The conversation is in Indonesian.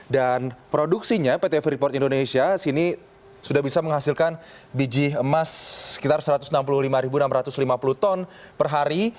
dan produksinya pt freeport indonesia sini sudah bisa menghasilkan biji emas sekitar satu ratus enam puluh lima enam ratus lima puluh ton per hari